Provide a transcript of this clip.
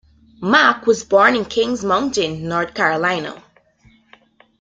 Mack was born in Kings Mountain, North Carolina.